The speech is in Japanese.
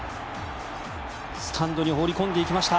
スタンドに放り込んでいきました。